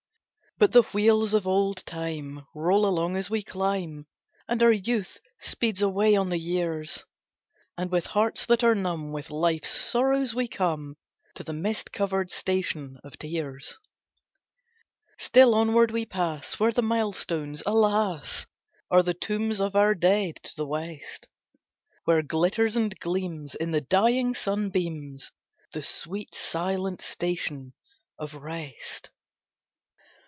But the wheels of old Time roll along as we climb, And our youth speeds away on the years; And with hearts that are numb with life's sorrows we come To the mist covered Station of Tears. Still onward we pass, where the milestones, alas! Are the tombs of our dead, to the West, Where glitters and gleams, in the dying sunbeams, The sweet, silent Station of Rest.